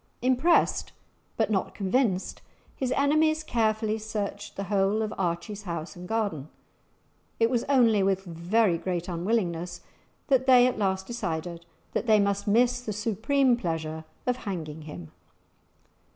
Impressed but not convinced, his enemies carefully searched the whole of Archie's house and garden; it was only with very great unwillingness that they at last decided that they must miss the supreme pleasure of hanging him!